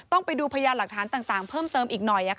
ไปดูพยานหลักฐานต่างเพิ่มเติมอีกหน่อย